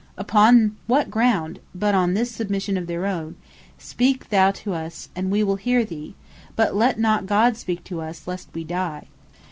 Upon what ground, but on this submission of their own, "Speak thou to us, and we will heare thee; but let not God speak to us, lest we dye?"